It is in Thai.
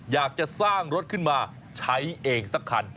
อยากจะสร้างรถขึ้นมาใช้เองสักคัน